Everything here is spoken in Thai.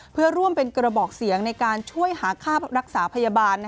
เพื่อร่วมเป็นกระบอกเสียงในการช่วยหาค่ารักษาพยาบาล